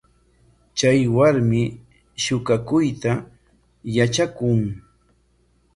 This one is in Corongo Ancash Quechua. ¿Chay warmi shuqakuyta yatranku?